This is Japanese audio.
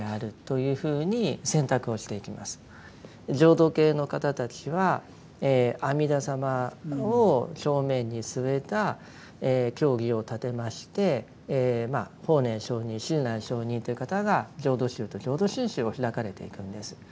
浄土系の方たちは阿弥陀様を正面に据えた教義を立てまして法然上人親鸞聖人という方が浄土宗と浄土真宗を開かれていくんです。